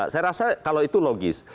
saya rasa kalau itu logis